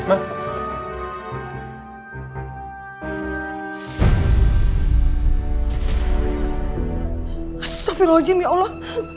astagfirullahaladzim ya allah